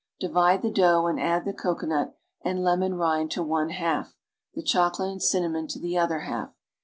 Divide the dough and add tlie cocoanut and lemon rind to one half, the chocolate and cinnamon to tlie other half.